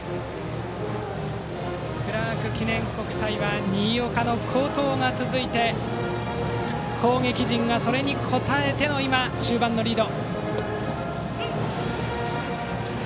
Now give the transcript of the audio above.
クラーク記念国際は新岡の好投が続いて攻撃陣がそれに応えての今、終盤のリード。